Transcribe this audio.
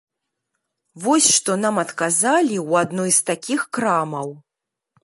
Вось што нам адказалі ў адной з такіх крамаў.